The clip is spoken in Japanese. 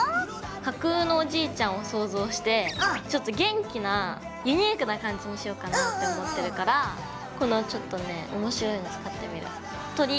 架空のおじいちゃんを想像してちょっと元気なユニークな感じにしようかなって思ってるからこのちょっとね面白いの使ってみる鳥。